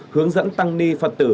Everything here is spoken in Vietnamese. hướng dẫn tăng ni phật tử